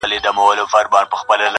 شپې مو په ساحل کې د څپو له وهمه وتښتي،